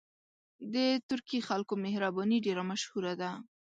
د ترکي خلکو مهرباني ډېره مشهوره ده.